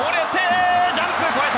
ジャンプの上、越えた。